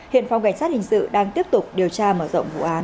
hiện phòng cảnh sát hình sự đang tiếp tục điều tra mở rộng vụ án